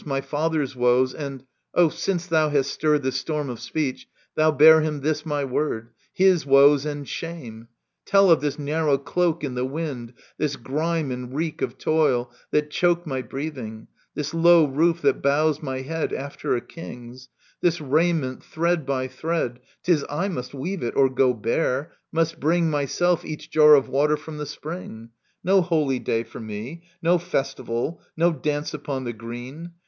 My father's woes, and — O, since thou hast stirred This storm of speech, thou bear him this my word — H i s woes and shame I Tell of this narrow cloak In the wind ; this grime and reek of toil, that choke My breathing ; this low roof that bows my head After a king's. This raiment ... thread by thread, 'Tis I must weave it, or go bare — must bring, M}rself, each jar of water from the spring. No holy day for me, no festival. No dance upon the green